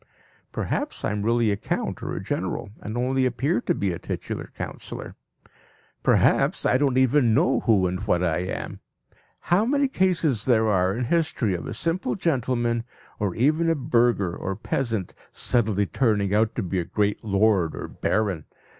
Perhaps I am really a count or a general, and only appear to be a titular councillor. Perhaps I don't even know who and what I am. How many cases there are in history of a simple gentleman, or even a burgher or peasant, suddenly turning out to be a great lord or baron?